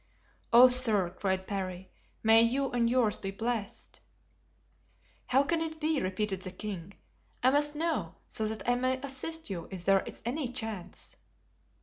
"Oh! sir," cried Parry, "may you and yours be blessed!" "How can it be?" repeated the king. "I must know, so that I may assist you if there is any chance."